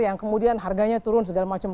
yang kemudian harganya turun segala macam